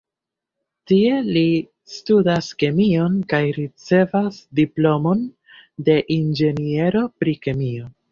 Tie li studas kemion kaj ricevas diplomon de inĝeniero pri kemio.